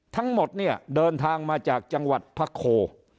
ทั้งหมดเนี่ยเดินทางมาจากจังหวัดพระโค